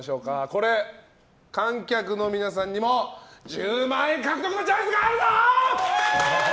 これ、観客の皆さんにも１０万円獲得のチャンスがあるぞー！